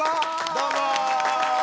どうも！